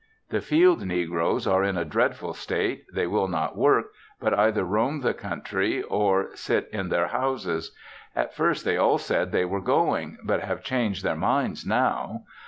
The field negroes are in a dreadful state; they will not work, but either roam the country, or sit in their houses. At first they all said they were going, but have changed their minds now.